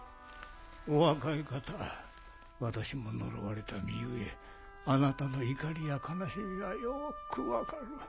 お若い方私も呪われた身ゆえあなたの怒りや悲しみはよく分かる。